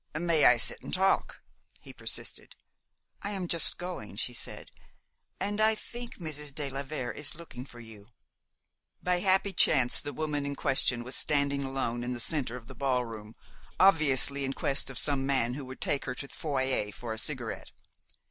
"May I sit here and talk?" he persisted. "I am just going," she said, "and I think Mrs. de la Vere is looking for you." By happy chance the woman in question was standing alone in the center of the ball room, obviously in quest of some man who would take her to the foyer for a cigarette.